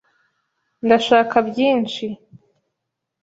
Ndashaka byinshi.